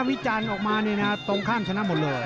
วิจารณ์ออกมานี่นะตรงข้ามชนะหมดเลย